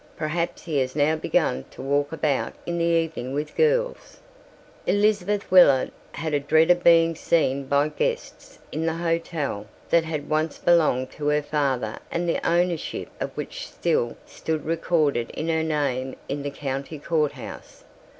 "Perhaps he has now begun to walk about in the evening with girls." Elizabeth Willard had a dread of being seen by guests in the hotel that had once belonged to her father and the ownership of which still stood recorded in her name in the county courthouse.